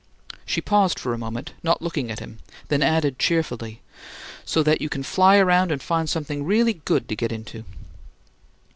She paused for a moment, not looking at him, then added, cheerfully, "So that you can fly around and find something really good to get into."